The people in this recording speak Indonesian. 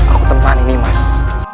aku teman nimas